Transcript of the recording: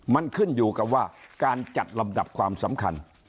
มันขึ้นอยู่กับว่าการจัดลำดับความสำคัญ